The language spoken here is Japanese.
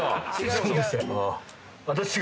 そうです。